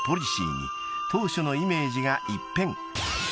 ［当初のイメージが一変］